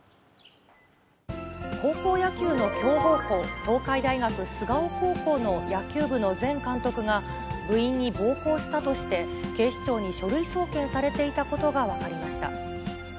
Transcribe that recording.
高校野球の強豪校、東海大学菅生高校の野球部の前監督が、部員に暴行したとして、警視庁に書類送検されていたことが分かりました。